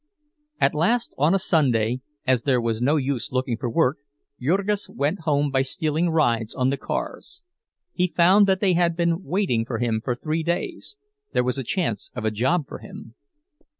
At last, on a Sunday, as there was no use looking for work, Jurgis went home by stealing rides on the cars. He found that they had been waiting for him for three days—there was a chance of a job for him.